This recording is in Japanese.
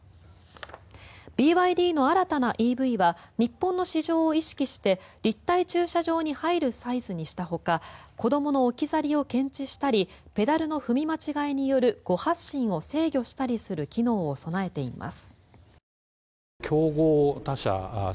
ＢＹＤの新たなＥＶは日本の市場を意識して立体駐車場に入るサイズにしたほか子どもの置き去りを検知したりペダルの踏み間違いによる誤発進を制御したりする機能を備えています。